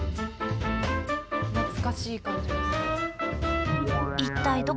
懐かしい感じがする。